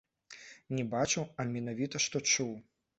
Не бачыў, а менавіта што чуў.